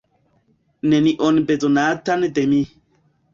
Nenion bezonatan de mi.